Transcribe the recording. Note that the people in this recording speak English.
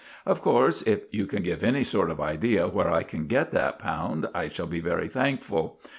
"Of course if you can give any sort of idea where I can get that pound I shall be very thankful.